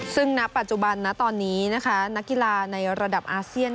ซึ่งณปัจจุบันนะตอนนี้นะคะนักกีฬาในระดับอาเซียน